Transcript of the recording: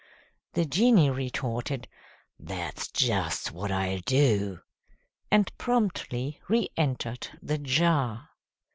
The genie retorted: "That's just what I'll do!" And promptly reëntered the jar.